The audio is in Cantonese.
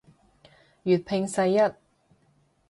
粵拼世一